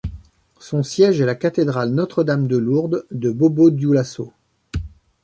Son siège est la Cathédrale Notre-Dame-de-Lourdes de Bobo-Dioulasso.